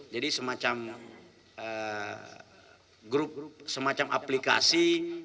jadi semacam grup semacam aplikasi